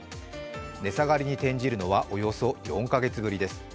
値下がりに転じるのはおよそ４か月ぶりです。